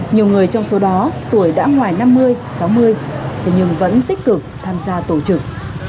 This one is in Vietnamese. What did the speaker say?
nhiều người trong số đó tuổi đã ngoài năm mươi sáu mươi thế nhưng vẫn tích cực tham gia tổ chức